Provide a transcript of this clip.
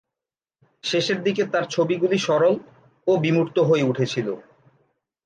শেষের দিকে তার ছবিগুলি সরল ও বিমূর্ত হয়ে উঠেছিল।